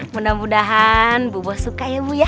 mudah mudahan bu bo suka ya bu ya